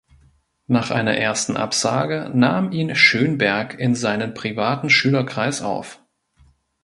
Nach einer ersten Absage nahm ihn Schönberg in seinen privaten Schülerkreis auf.